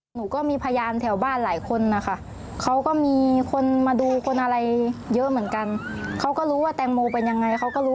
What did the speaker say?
หนูก็มีพยานแถวบ้านหลายคนนะค่ะ